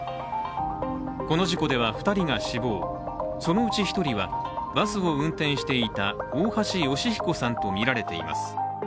この事故では２人が死亡、そのうち１人はバスを運転していた大橋義彦さんとみられています。